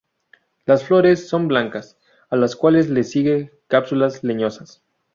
Las flores son blancas, a las cuales le siguen cápsulas leñosas.